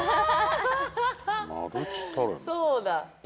そうだ。